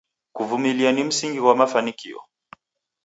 Kuvumilia ni msingi ghwa mafanikio.